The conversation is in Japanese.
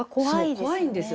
怖いんですよ。